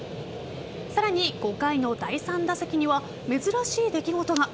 さらに５回の第３打席には珍しい出来事が。